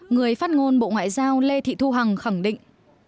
người phát ngôn bộ ngoại giao lê thị thu hằng khẳng định